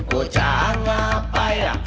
bocah ngapai ya